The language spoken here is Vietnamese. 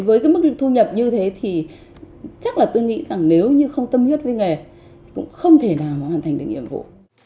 với cái mức thu nhập như thế thì chắc là tôi nghĩ rằng nếu như không tâm huyết với nghề cũng không thể nào hoàn thành được nhiệm vụ